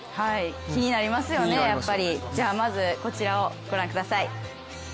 気になりますよね、やっぱりまずこちらをご覧ください。